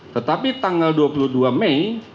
tetapi tanggal dua puluh dua mei